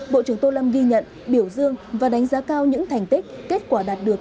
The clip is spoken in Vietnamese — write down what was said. bộ trưởng tô lâm ghi nhận biểu dương và đánh giá cao những thành tích kết quả đạt được